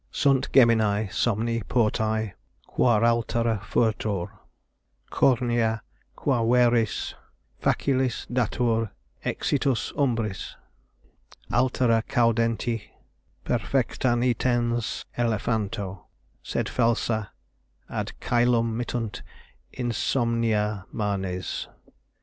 "Sunt geminæ Somni portæ, quarumaltera fertur Cornea, qua veris facilis datur exitus Umbris; Altera candenti perfecta nitens elephanto, Sed falsa ad cælum mittunt insomnia Manes."